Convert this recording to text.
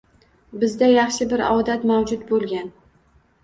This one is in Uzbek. Bizda yaxshi bir odat mavjud bo‘lgan.